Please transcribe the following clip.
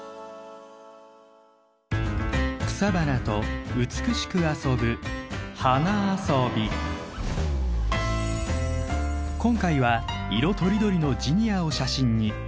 草花と美しく遊ぶ今回は色とりどりのジニアを写真に。